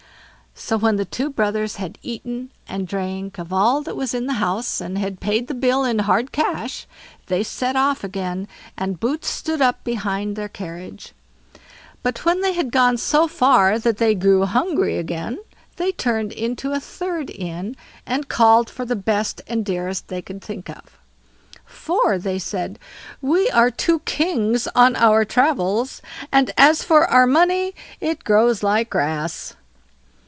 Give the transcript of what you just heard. So when the two brothers had eaten and drank of all that was in the house, and had paid the bill in hard cash, they set off again, and Boots stood up behind their carriage. But when they had gone so far that they grew hungry again, they turned into a third inn, and called for the best and dearest they could think of. "For", said they, "we are two kings on our travels, and as for our money, it grows like grass."